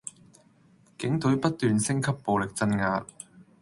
警隊不斷升級暴力鎮壓